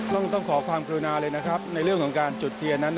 ต้องขอความกรุณาเลยนะครับในเรื่องของการจุดเทียนนั้น